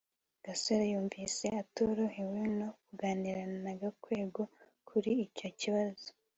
gasore yumvise atorohewe no kuganira na gakwego kuri icyo kibazo